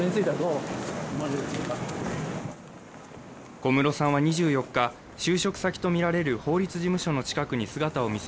小室さんは２４日、就職先とみられる法律事務所の近くに姿を見せ